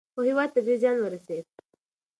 خو هیواد ته ډیر زیان ورسېد.